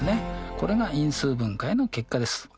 これが因数分解の結果です。